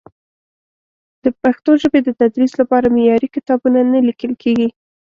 د پښتو ژبې د تدریس لپاره معیاري کتابونه نه لیکل کېږي.